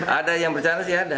ada yang bercanda sih ada